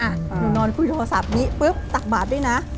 หนูนอนคุยโทรศัพท์นี้ปุ๊บตักบาทด้วยนะ